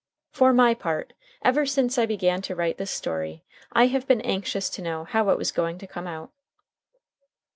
For my part, ever since I began to write this story, I have been anxious to know how it was going to come out.